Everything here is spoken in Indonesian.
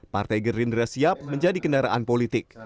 partai gerindra siap menjadi kendaraan politik